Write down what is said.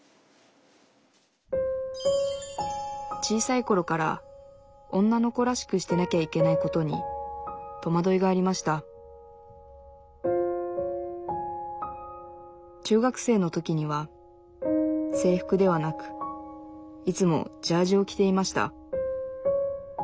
小さいころから女の子らしくしてなきゃいけないことにとまどいがありました中学生の時には制服ではなくいつもジャージを着ていました